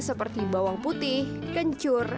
seperti bawang putih kencur